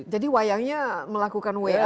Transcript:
jadi wayangnya melakukan wa gitu ya